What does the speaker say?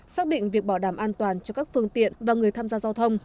xác định việc bảo đảm an toàn cho các phương tiện và người tham gia giao thông